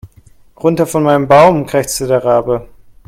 Runter von meinem Baum, krächzte der Rabe.